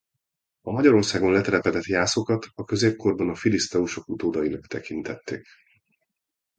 A Magyarországon letelepedett jászokat a középkorban a filiszteusok utódainak tekintették.